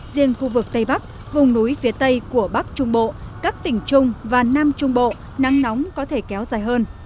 riêng khu vực tây bắc vùng núi phía tây của bắc trung bộ các tỉnh trung và nam trung bộ nắng nóng có thể kéo dài hơn